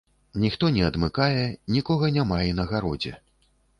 Ніхто не адмыкае, нікога няма і на гародзе.